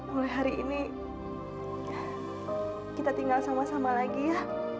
mulai hari ini kita tinggal sama sama lagi ya